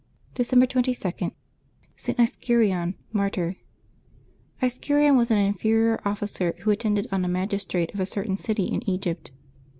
December 22.— ST. ISCHYRION, Martyr. XscHYRiON was an inferior officer who attended on a magistrate of a certain city in Eg\'pt.